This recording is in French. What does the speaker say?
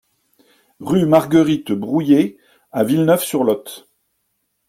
Rue Marguerite Brouillet à Villeneuve-sur-Lot